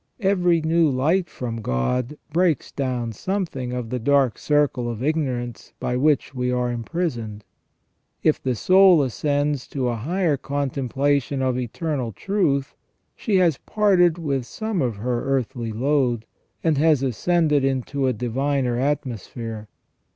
Every new light from God breaks down something of the dark circle of ignorance by which we are imprisoned. If the soul ascends to a higher contemplation of eternal truth, she has parted with some of her earthly load, and has ascended into a diviner atmosphere.